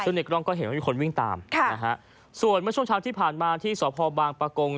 ซึ่งในกล้องก็เห็นว่ามีคนวิ่งตามค่ะนะฮะส่วนเมื่อช่วงเช้าที่ผ่านมาที่สพบางประกง